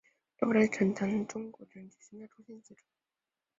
震防中心承担中国地震局宣教中心职责。